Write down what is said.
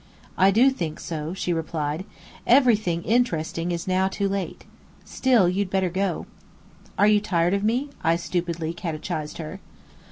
"I do think so," she replied. "Everything interesting is too late now. Still, you'd better go." "Are you tired of me?" I stupidly catechised her.